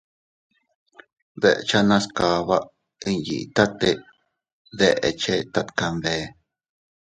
Dechenas kaba iyitate bee chetat kanbe.